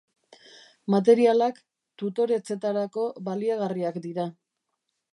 Materialak tutoretzetarako baliagarriak dira.